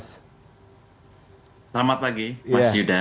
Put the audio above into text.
selamat pagi mas yuda